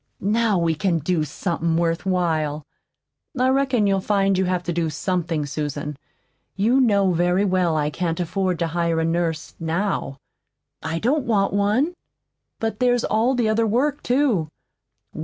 "Now we can do somethin' worthwhile." "I reckon you'll find you have to do something, Susan. You know very well I can't afford to hire a nurse now." "I don't want one." "But there's all the other work, too."